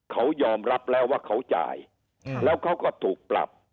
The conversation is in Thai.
เขายอมรับแล้วว่าเขาจ่ายแล้วเขาก็ถูกปรับ